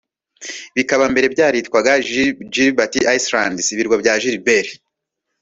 bikaba mbere byaritwaga Gilbert Islands (ibirwa bya Gilbert)